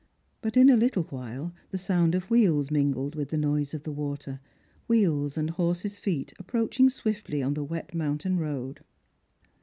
But in a little while the somid of wheels mingled with the noise of the water — wheels and horses' feet approaching swiftly on the wet mountain road.